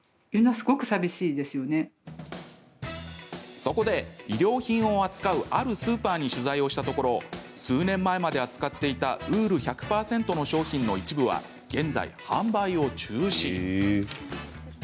そこで、衣料品を扱うあるスーパーに取材をしたところ数年前まで扱っていたウール１００％の商品の一部は現在、販売を中止。